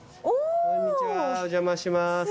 お邪魔します。